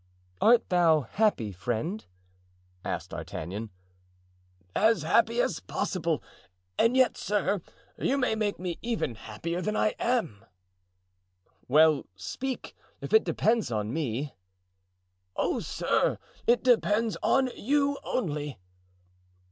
"Art thou happy, friend?" asked D'Artagnan. "As happy as possible; and yet, sir, you may make me even happier than I am." "Well, speak, if it depends on me." "Oh, sir! it depends on you only."